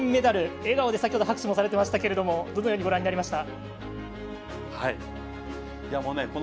笑顔で先ほど拍手もされていましたがどのようにご覧になりましたか？